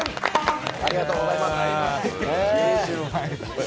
ありがとうございます。